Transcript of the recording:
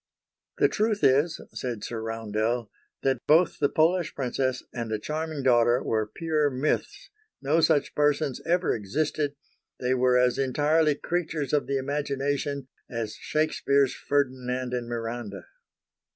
"The truth is," said Sir Roundell, "that both the Polish Princess and the charming daughter were pure myths; no such persons ever existed they were as entirely creatures of the imagination as Shakespeare's Ferdinand and Miranda."